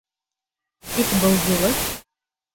Тик был юлы...